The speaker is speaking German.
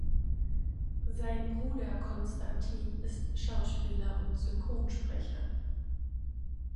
Sein Bruder Constantin ist Schauspieler und Synchronsprecher.